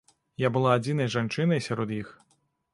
Я была адзінай жанчынай сярод іх.